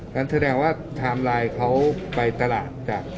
งั้นแสดงว่าไถม์ไลน์เค้าไปตลาดจาก